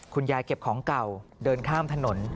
เก็บของเก่าเดินข้ามถนน